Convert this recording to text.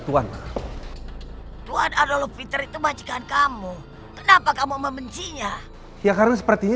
tuhan tuhan adolf hitler itu majikan kamu kenapa kamu membencinya ya karena sepertinya